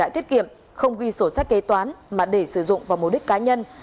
tiết kiệm không ghi sổ sách kế toán mà để sử dụng vào mục đích cá nhân